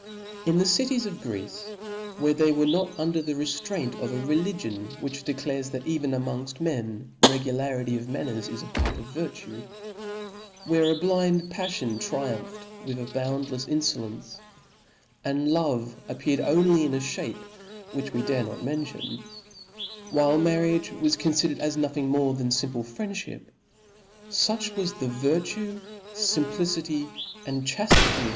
In the cities of Greece, where they were not un der the reftraint of a religion which declares that even amongft men regularity of manners is a part of virtue , where a blind paffion triumphed with a boundlefs infolence, and love appeared only in a fhape which we dare not mention, while marriage was confidcred as nothing more than fimple friend h 3 ihip> M^ THE SPIRIT ft o o K fiiip * J fuch was the virtue, fimplicity, and chaftitjp Cbap!